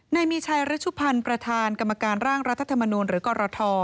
นายมีชัยฤชุพันธ์ประธานกรรมการร่างรัฐธรรมนูลหรือกรท